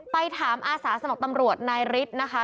ไปถามอาสาสมัครตำรวจนายฤทธิ์นะคะ